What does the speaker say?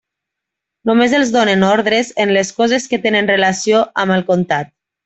Només els donen ordres en les coses que tenen relació amb el comtat.